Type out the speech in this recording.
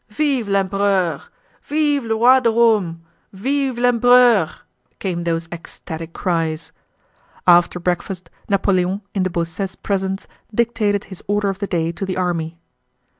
"Vive l'Empereur! Vive le roi de Rome! Vive l'Empereur!" came those ecstatic cries. After breakfast Napoleon in de Beausset's presence dictated his order of the day to the army.